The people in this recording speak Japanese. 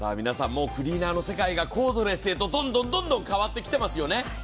皆さん、クリーナの世界がコードレスへとどんどん変わってきていますよね。